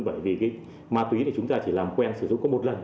bởi vì cái ma túy thì chúng ta chỉ làm quen sử dụng có một lần